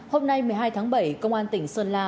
hôm nay một mươi hai tháng bảy công an tỉnh sơn la